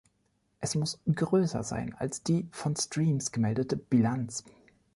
Es muss größer sein, als die von Streams gemeldete „Bilanz“.